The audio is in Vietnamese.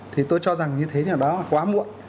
thì tôi cho rằng như thế nào đó là quá muộn